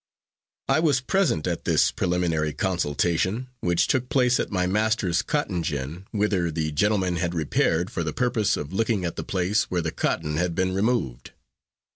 I was present at this preliminary consultation, which took place at my master's cotton gin, whither the gentlemen had repaired for the purpose of looking at the place where the cotton had been removed.